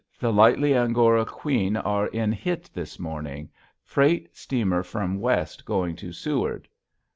the litly angora queen ar in Hit this morning. Fraet steamer from West going to Seward.